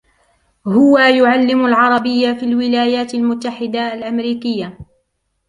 هو يعلم العربية في الولايات المتحدة الأمريكية.